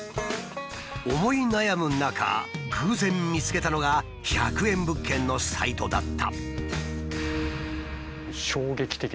思い悩む中偶然見つけたのが１００円物件のサイトだった。